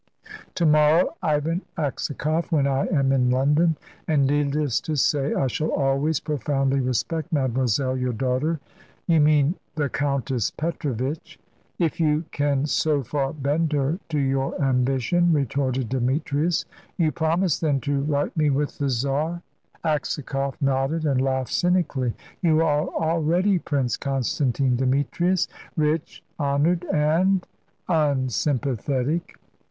"To morrow, Ivan Aksakoff, when I am in London. And needless to say, I shall always profoundly respect Mademoiselle your daughter." "You mean the Countess Petrovitch." "If you can so far bend her to your ambition," retorted Demetrius. "You promise, then, to right me with the Czar?" Aksakoff nodded and laughed cynically. "You are already Prince Constantine Demetrius, rich, honoured, and unsympathetic."